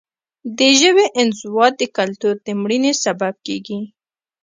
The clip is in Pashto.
د ژبې انزوا د کلتور د مړینې سبب کیږي.